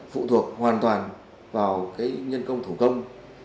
phụ thuộc hoàn toàn vào nhân công thủ công